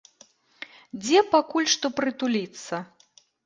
Дзе пакуль што прытуліцца?